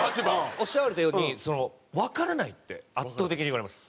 おっしゃられたようにわからないって圧倒的に言われます。